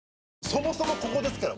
そもそもここですから！